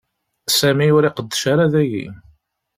Sami ur iqeddec ara dagi.